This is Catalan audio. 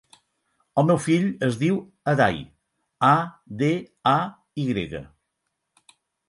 El meu fill es diu Aday: a, de, a, i grega.